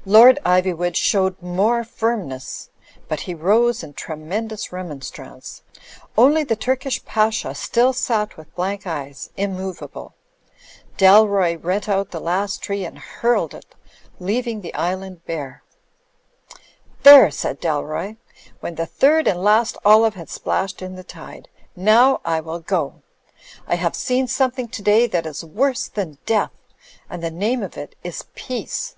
. Lord Iv3nvood showed more firmness; but he rose in tremendous remonstrance. Only the Turkish Pasha still sat with blank eyes, immovable. Dalroy rent out the last tree and hurled it, leaving the island bare. "There !" said Dalroy, when the third and last olive had splashed in the tide. "Now I will go. I have Digitized by CjOOQ IC THE END OF OLIVE ISLAND 31 seen something today that is worse than death: and the name of it is Peace."